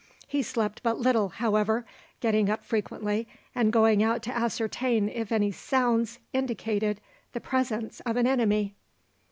He slept but little, however, getting up frequently and going out to ascertain if any sounds indicated the presence of an enemy.